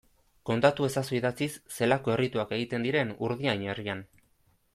Kontatu ezazu idatziz zelako errituak egiten diren Urdiain herrian.